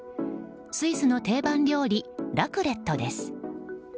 スイスの定番料理ラクレットです。